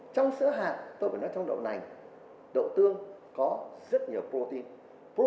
trong sữa hạt tôi phải nói trong đậu nành đậu tương có rất nhiều protein